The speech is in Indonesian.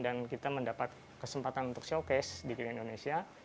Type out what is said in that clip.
dan kita mendapat kesempatan untuk showcase di kina indonesia